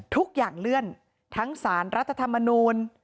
ทุกอย่างเลื่อนทั้งสารรัฐธรรมนูล